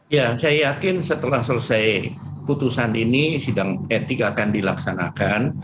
ya saya yakin setelah selesai putusan ini sidang etik akan dilaksanakan